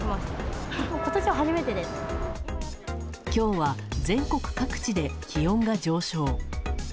今日は全国各地で気温が上昇。